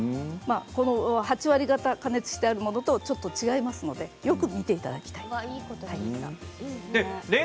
８割がた加熱してあるものとちょっと違いますのでよく見ていただいていいこと聞いた。